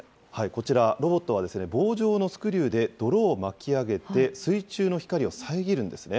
こちら、ロボットは、棒状のスクリューで泥を巻き上げて、水中の光を遮るんですね。